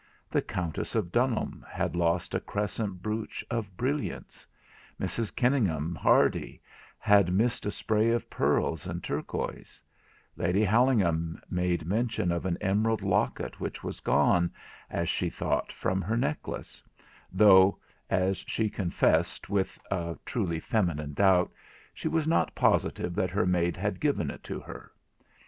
The Countess of Dunholm had lost a crescent brooch of brilliants; Mrs Kenningham Hardy had missed a spray of pearls and turquoise; Lady Hallingham made mention of an emerald locket which was gone, as she thought, from her necklace; though, as she confessed with a truly feminine doubt, she was not positive that her maid had given it to her.